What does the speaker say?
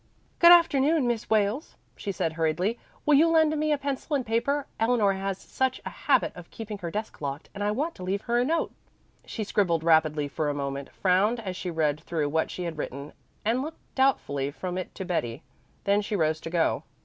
"Good afternoon, Miss Wales," she said hurriedly. "Will you lend me a pencil and paper? Eleanor has such a habit of keeping her desk locked, and I want to leave her a note." She scribbled rapidly for a moment, frowned as she read through what she had written, and looked doubtfully from it to Betty. Then she rose to go.